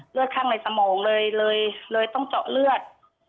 เลยต้องเจาะเลือด